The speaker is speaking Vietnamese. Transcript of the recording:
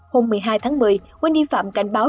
hôm một mươi hai tháng một mươi wendy phạm cảnh báo